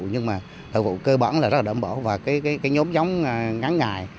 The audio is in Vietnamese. nhưng mà đầu vụ cơ bản là rất là đậm bảo và cái nhóm giống ngắn ngài